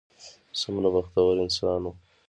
څومره بختور انسان و.